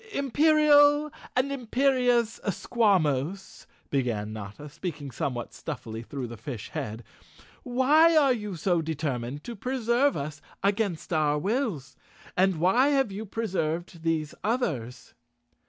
"Imperial and Imperious Squawmos," began Notta, 215 The Cowardly Lion of Oz _ speaking somewhat stuffily through the fish head, "why are you so determined to preserve us against our wills, and why have you preserved these others?"